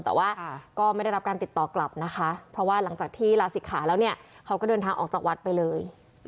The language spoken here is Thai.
แต่ว่าก็ไม่ได้รับการติดต่อกลับนะคะเพราะว่าหลังจากที่ลาศิกขาแล้วเนี่ยเขาก็เดินทางออกจากวัดไปเลย